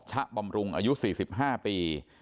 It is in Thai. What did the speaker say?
ชะปำมรุงอายุสี่สิบห้าปี